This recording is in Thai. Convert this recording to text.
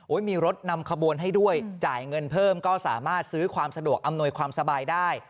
มีรถนำขบวนให้ด้วยจ่ายเงินเพิ่มก็สามารถซื้อความสะดวกอำนวยความสบายได้